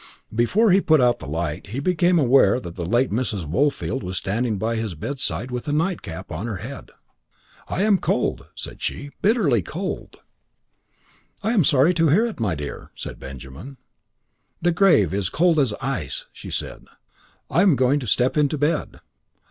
Before he put out the light he became aware that the late Mrs. Woolfield was standing by his bedside with a nightcap on her head. "I am cold," said she, "bitterly cold." "I am sorry to hear it, my dear," said Benjamin. "The grave is cold as ice," she said. "I am going to step into bed."